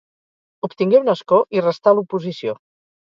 Obtingué un escó i restà a l'oposició.